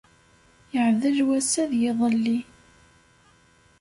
Yeεdel wass-a d yiḍelli.